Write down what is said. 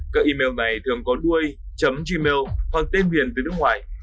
các email này thường có đuôi chấm gmail hoặc tên viền từ nước ngoài